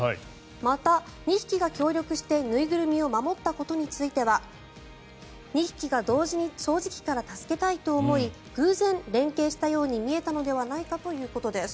また、２匹が協力して縫いぐるみを守ったことについては２匹が同時に掃除機から助けたいと思い偶然、連携したように見えたのではないかということです。